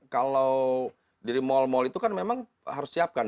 kalau di mall mall itu kan memang harus siapkan